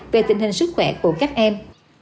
về tình hình sức khỏe của các em